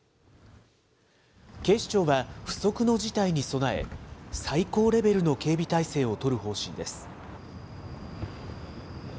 警視庁は、不測の事態に備え、最高レベルの警備態勢を取る方針です。